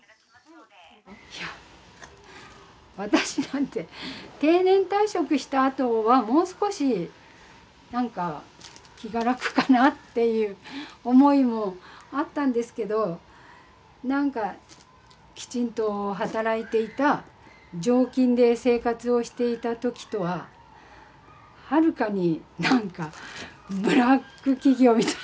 いや私なんて定年退職したあとはもう少しなんか気が楽かなっていう思いもあったんですけどなんかきちんと働いていた常勤で生活をしていた時とははるかになんかブラック企業みたい。